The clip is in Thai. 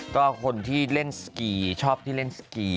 ก็คนที่เล่นสกีชอบที่เล่นสกี